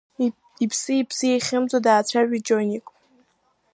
Иԥси-иԥси еихьымӡо даацәажәеит Џьоник.